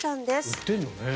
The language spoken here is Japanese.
売ってるのね。